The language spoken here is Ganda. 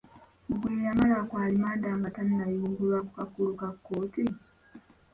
Gwe yamala ku alimanda nga tannayimbulwa ku kakalu ka kkooti?